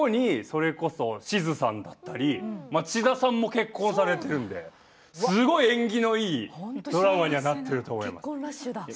オールアップ後にそれこそしずさんだったり町田さんも結婚されているのですごい縁起のいいドラマになっています。